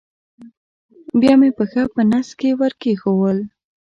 بیا مې پښه په نس کې ور کېښوول.